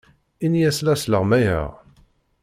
Ini-as la sleɣmayeɣ.